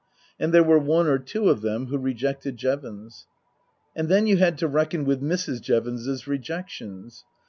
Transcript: And there were one or two of them who rejected Jevons. And then you had to reckon with Mrs. Jevons's rejections.